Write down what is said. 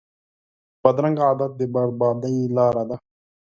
بدرنګه عادت د بربادۍ لاره ده